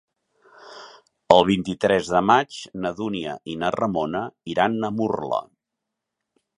El vint-i-tres de maig na Dúnia i na Ramona iran a Murla.